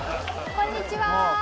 こんにちは。